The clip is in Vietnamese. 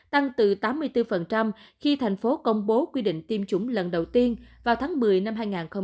tăng từ tám mươi bốn khi thành phố công bố quy định tiêm chủng lần đầu tiên vào tháng một mươi năm hai nghìn hai mươi